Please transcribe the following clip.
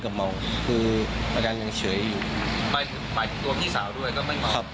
ก็มันมันยาก